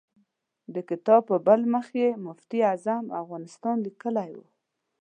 د کتاب پر بل مخ یې مفتي اعظم افغانستان لیکلی و.